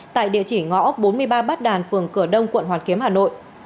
tại địa chỉ ngõ bốn mươi ba bát đàn phường cửa đông quận hoàn kiếm hà nội